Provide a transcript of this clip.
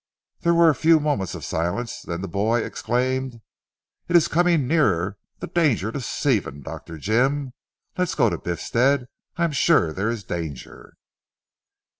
There were a few moments of silence, then the boy exclaimed. "It is coming nearer the danger to Stephen. Dr. Jim! Let us go to Biffstead. I am sure there is danger."